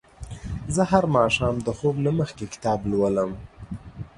زه هر ماښام د خوب نه مخکې کتاب لولم.